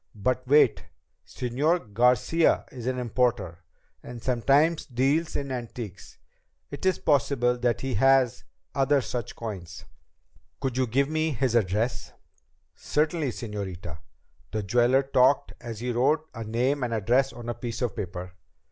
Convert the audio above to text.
"But wait! Señor Garcia is an importer, and sometimes deals in antiques. It is possible that he has other such coins." "Could you give me his address?" "Certainly, señorita." The jeweler talked as he wrote a name and address on a piece of paper.